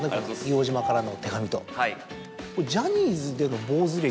『硫黄島からの手紙』と。